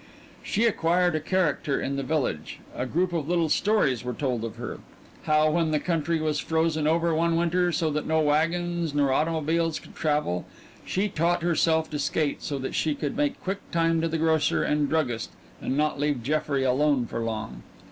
She acquired a character in the village a group of little stories were told of her: how when the country was frozen over one winter so that no wagons nor automobiles could travel, she taught herself to skate so that she could make quick time to the grocer and druggist, and not leave Jeffrey alone for long.